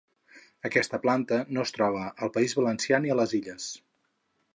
Aquesta planta no es troba al País Valencià ni a les Illes.